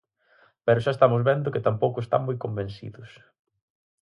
Pero xa estamos vendo que tampouco están moi convencidos.